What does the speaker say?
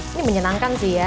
ini menyenangkan sih ya